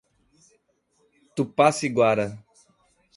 Tupaciguara